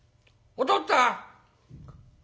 おとっつぁん！